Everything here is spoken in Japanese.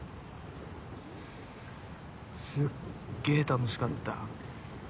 すっげぇ楽しかった。